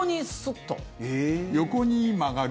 横に曲がる？